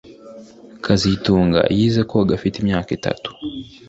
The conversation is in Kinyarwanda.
kazitunga yize koga afite imyaka itatu